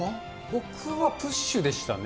僕はプッシュでしたね。